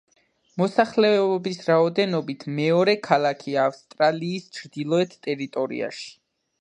მოსახლეობის რაოდენობით მეორე ქალაქი ავსტრალიის ჩრდილოეთ ტერიტორიაში.